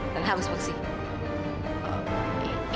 dan harus bersihin